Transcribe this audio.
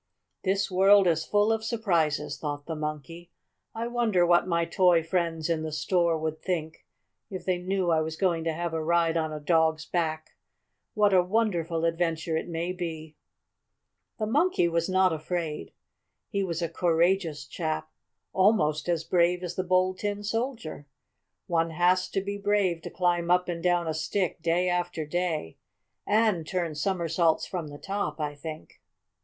"This world is full of surprises," thought the Monkey. "I wonder what my toy friends in the store would think if they knew I was going to have a ride on a dog's back. What a wonderful adventure it may be!" The Monkey was not afraid. He was a courageous chap, almost as brave as the Bold Tin Soldier. One has to be brave to climb up and down a stick day after day, and turn somersaults from the top; I think.